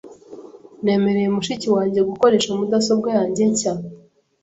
Nemereye mushiki wanjye gukoresha mudasobwa yanjye nshya.